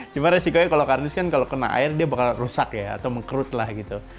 cuma resikonya kalau kardus kan kalau kena air dia bakal rusak ya atau mengkerut lah gitu